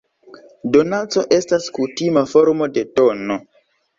Donaco estas kutima formo de dono.